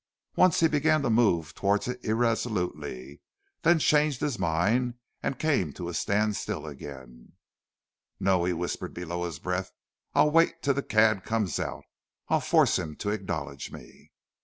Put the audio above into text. Once he began to move towards it irresolutely, then changed his mind and came to a standstill again. "No!" he whispered below his breath. "I'll wait till the cad comes out I'll force him to acknowledge me."